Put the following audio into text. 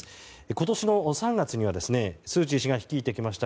今年の３月にはスー・チー氏が率いてきました